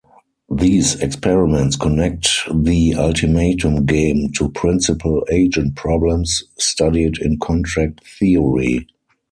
These experiments connect the ultimatum game to principal-agent problems studied in contract theory.